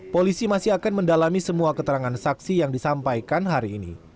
polisi masih akan mendalami semua keterangan saksi yang disampaikan hari ini